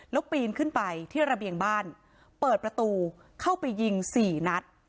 แล้วปีนขึ้นไปที่ระเบียงบ้านเปิดประตูเข้าไปยิงสี่นัด